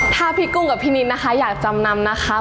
ถ้าพี่กุ้งกับพี่นิดนะคะอยากจำนำนะคะ